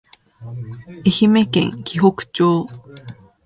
愛媛県鬼北町